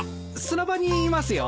砂場にいますよ。